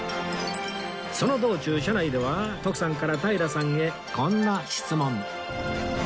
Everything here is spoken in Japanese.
その道中車内では徳さんから平さんへこんな質問